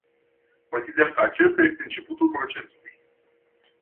Consider că acesta este începutul procesului.